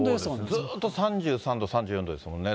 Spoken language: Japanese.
ずーっと３３度、３４度ですもんね。